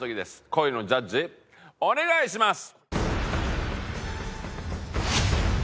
恋のジャッジお願いします！